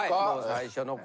最初の頃。